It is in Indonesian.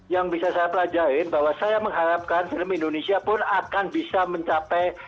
yang bisa saya pelajari bahwa saya mengharapkan film indonesia pun akan bisa mencapai